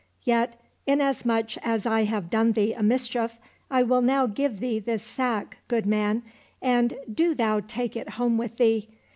Yet, inasmuch as I have done thee a mischief, I will now give thee this sack, good man, and do thou take it home with thee.